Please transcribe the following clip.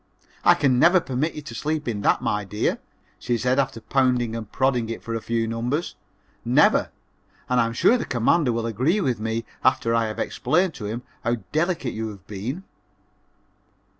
"I can never permit you to sleep in that, my dear," she said after pounding and prodding it for a few numbers; "never and I am sure the Commander will agree with me after I have explained to him how delicate you have always been."